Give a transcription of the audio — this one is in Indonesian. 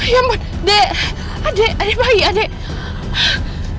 ya ampun adik adik bayi adik